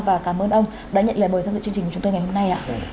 và cảm ơn ông đã nhận lời mời tham dự chương trình của chúng tôi ngày hôm nay